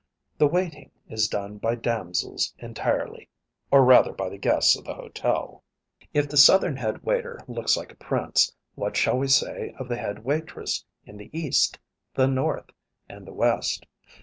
The "waiting" is done by damsels entirely or rather by the guests of the hotel. If the Southern head waiter looks like a prince, what shall we say of the head waitress in the East, the North, and the West?